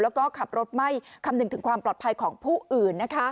แล้วก็ขับรถไม่คำนึงถึงความปลอดภัยของผู้อื่น